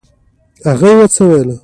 ښځو تر اوسه افغانستان ندې پلورلی